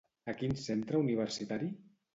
A quin centre universitari?